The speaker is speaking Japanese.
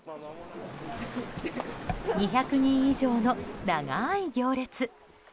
２００人以上の長い行列。